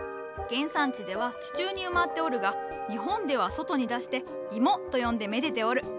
原産地では地中に埋まっておるが日本では外に出して「イモ」と呼んでめでておる。